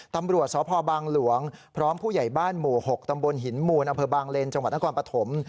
ตำรวจสภบางหลวงพร้อมผู้ใหญ่บ้านหมู่๖ตำบลหินหมูนอเผลิบางเลนจังหวัดนักกว่าประถม